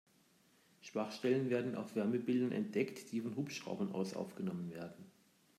Schwachstellen werden auf Wärmebildern entdeckt, die von Hubschraubern aus aufgenommen werden.